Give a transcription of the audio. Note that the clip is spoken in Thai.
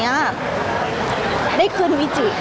พี่ตอบได้แค่นี้จริงค่ะ